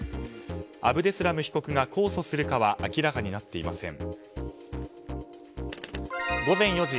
アブデスラム被告が控訴するかは明らかになっていません。